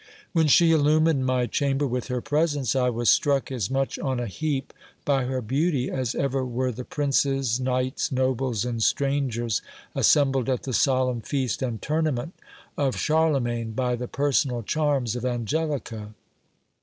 When she illumined my chamber with her presence, I was struck as much on a heap by her beauty, as ever were the princes, knights, nobles, and strangers assembled at the solemn feast and tournament of Charlemain, by the personal charms of Angelica.